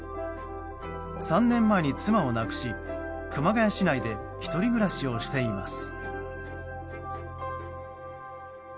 ３年前に妻を亡くし、熊谷市内で１人暮らしをしています。